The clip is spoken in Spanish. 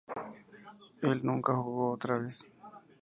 Él nunca jugó otra vez.